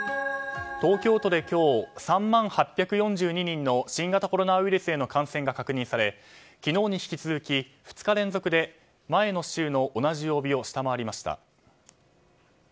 東京都で今日３万８４２人の新型コロナウイルスへの感染が確認され昨日に引き続き２日連続で前の週の同じ曜日を下回りました。